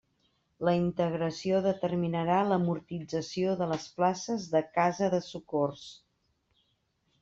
La integració determinarà l'amortització de les places de Casa de Socors.